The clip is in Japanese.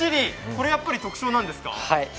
これ、やっぱり特徴なんですか？